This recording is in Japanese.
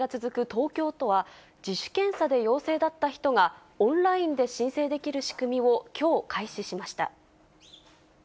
東京都は、自主検査で陽性だった人が、オンラインで申請できる仕組みをきょう、開始しました。